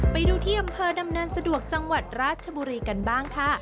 ไปดูที่อำเภอดำเนินสะดวกจังหวัดราชบุรีกันบ้างค่ะ